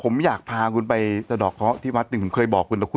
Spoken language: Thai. มันไกลถูก